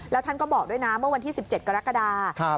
แล้วท่านก็บอกด้วยนะเมื่อวันที่๑๗กรกฎา